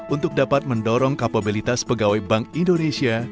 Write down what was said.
untuk dapat mendorong kapabilitas pegawai bank indonesia